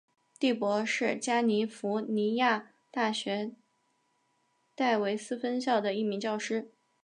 第伯是加利福尼亚大学戴维斯分校的一名教师。